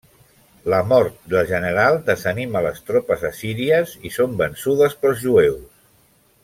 La mort del general desanima les tropes assíries i són vençudes pels jueus.